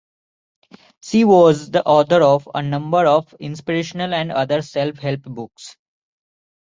She was the author of a number of inspirational and other self-help books.